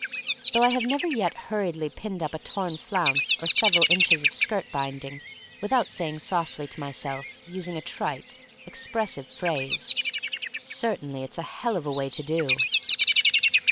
Though 'I have never yet hurriedly pinned up a torn flounce or several inches of skirt binding without saying softly to myself, using a trite, expres sive phrase, "Certainly, it's a hell of a way to do."